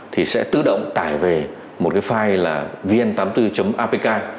thì sẽ tự động tải về một cái file là vn tám mươi bốn apk